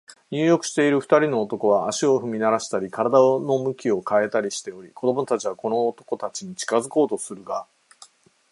入浴している二人の男は、足を踏みならしたり、身体を向き変えたりしており、子供たちはこの男たちに近づこうとするが、